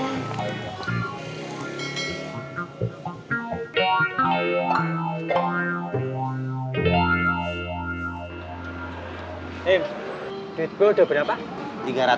nek duit gue udah berapa